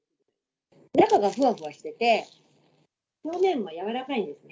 中がふわふわしてて、表面も柔らかいんですね。